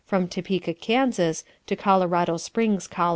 from Topeka, Kansas, to Colorado Springs, Col.